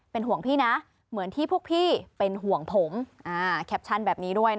ลอบแปลกคะ